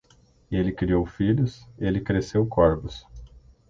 Ele criou filhos, ele cresceu corvos.